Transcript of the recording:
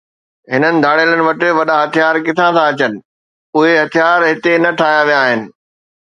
هنن ڌاڙيلن وٽ وڏا هٿيار ڪٿان ٿا اچن، اهي هٿيار هتي نه ٺاهيا ويا آهن